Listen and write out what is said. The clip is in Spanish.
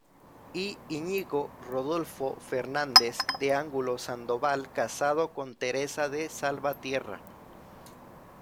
I. Iñigo Rodolfo Fernández de Angulo Sandoval, casado con Teresa de Salvatierra.